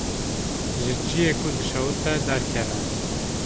Ji ciyê ku dişewite derkeve.